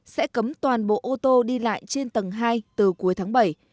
sẽ cấm toàn bộ ô tô đi lại trên tầng hai từ cuối tháng bảy